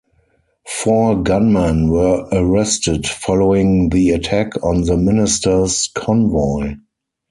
Four gunmen were arrested following the attack on the minister's convoy.